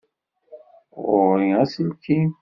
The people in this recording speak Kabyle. Ɣur-i aselkim.